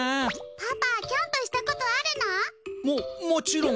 パパキャンプしたことあるの？ももちろん。